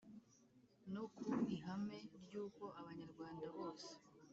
No ku ihame ry’uko abanyarwanda bose